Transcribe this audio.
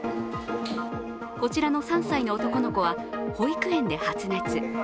こちらの３歳の男の子は保育園で発熱。